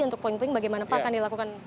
untuk puing puing bagaimana pak akan dilakukan